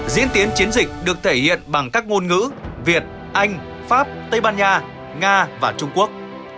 diễn tiến chiến dịch được thể hiện bằng các ngôn ngữ việt anh pháp tây ban nha nga và trung quốc